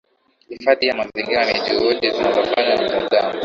Hifadhi ya mazingira ni juhudi zinazofanywa na binadamu